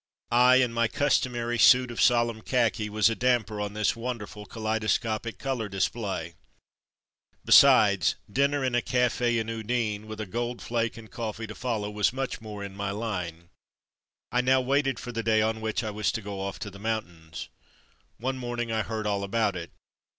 I in my "customary suit of solemn'' khaki was a damper on this wonderful, kaleidoscopic colour display. Besides, dinner in a cafe in Udine, with a gold flake and coffee to follow, was much more in my line. I now waited for the day on which I was to go off to the mountains. One morning I heard all about it.